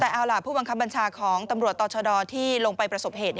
แต่เอาล่ะผู้บังคับบัญชาของตำรวจต่อชะดอที่ลงไปประสบเหตุ